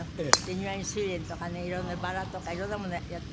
庭にスイレンとかねいろんなバラとかいろんなものをやってて。